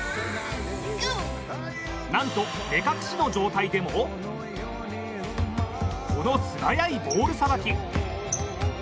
なんと目隠しの状態でも、この素早いボールさばき。